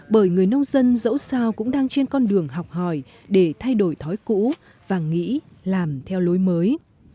bởi người nông dân dẫu sao cũng đang trên con đường học hỏi để thay đổi thói cũ và nghĩ làm theo lối mới